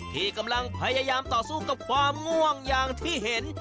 ที่กำลังพยายามต่อสู้กับความง่วงอย่างที่เห็น